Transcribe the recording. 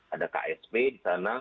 ada ksb di sana